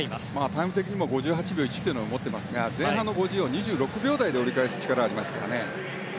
タイム的にも５８秒１を持っていますが持っていますが前半の５０を２６秒台で折り返す力がありますから。